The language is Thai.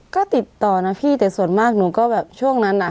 ก็ติดต่อนะพี่แต่ส่วนมากหนูก็แบบช่วงนั้นอ่ะ